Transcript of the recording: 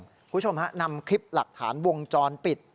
คุณผู้ชมฮะนำคลิปหลักฐานวงจรปิด